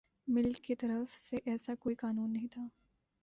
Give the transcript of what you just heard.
مل کی طرف سے ایسا کوئی قانون نہیں تھا